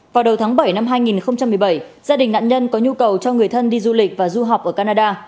vào đầu tháng bảy năm hai nghìn một mươi bảy gia đình nạn nhân có nhu cầu cho người thân đi du lịch và du học ở canada